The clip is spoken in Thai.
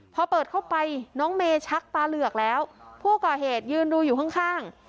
พอเปิดเข้าไปน้องเมชักตาเหลือกแล้วผู้ก่อเหตุยืนดูอยู่ข้าง